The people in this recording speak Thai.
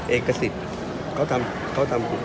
เอกสิทธิ์เค้าทำถูกต้องนะครับ